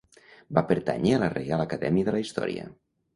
Va pertànyer a la Reial Acadèmia de la Història.